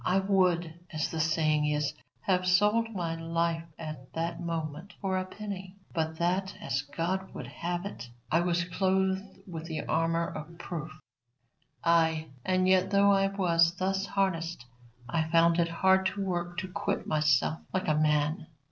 I would, as the saying is, have sold my life at that moment for a penny; but that, as God would have it, I was clothed with armour of proof: ay, and yet though I was thus harnessed, I found it hard work to quit myself like a man.